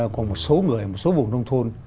của một số người một số vùng nông thôn